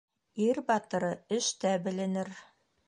Ир батыры эштә беленер.